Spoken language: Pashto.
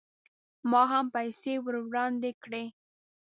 ما هم پیسې ور وړاندې کړې.